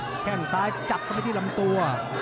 แข้งซ้ายจับเข้าไปที่ลำตัว